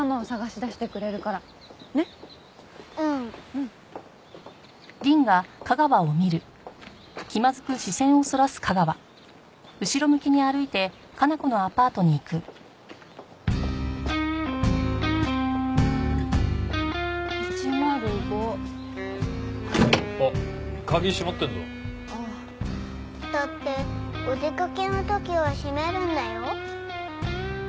だってお出かけの時は閉めるんだよ？